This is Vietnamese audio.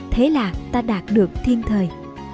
thế là ta đạt được thiên thời